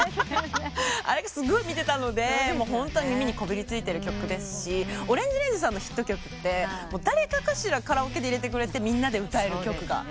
すごい見てたので耳にこびりついてる曲ですしＯＲＡＮＧＥＲＡＮＧＥさんのヒット曲って誰かしらカラオケで入れてくれてみんな歌える曲が多い。